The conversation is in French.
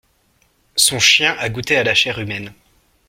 Son chien a goûté à la chair humaine.